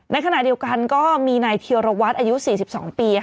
ในขณะเดียวกันก็มีนายเทียรวัตรอายุ๔๒ปี